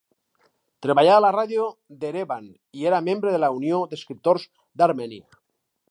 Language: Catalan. Treballà a la ràdio d'Erevan i era membre de la Unió d'escriptors d'Armènia.